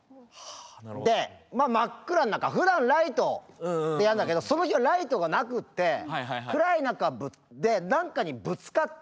で真っ暗ん中ふだんライトでやんだけどその日はライトがなくって暗い中で何かにぶつかって。